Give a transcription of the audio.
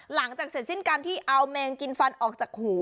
หลังจากเสร็จสิ้นการที่เอาแมงกินฟันออกจากหู